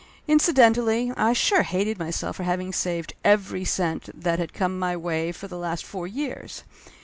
Incidentally, I sure hated myself for having saved every cent that had come my way for the last four years